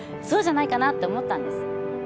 そうじゃないかなって思ったんです。